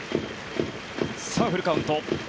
フルカウント。